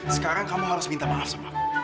sekarang kamu harus minta maaf sama